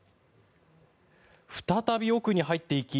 再び奥に入っていき